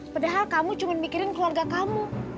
padahal kamu cuma mikirin keluarga kamu